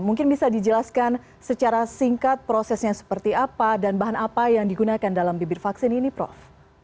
mungkin bisa dijelaskan secara singkat prosesnya seperti apa dan bahan apa yang digunakan dalam bibit vaksin ini prof